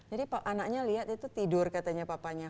jadi anaknya liat itu tidur katanya papanya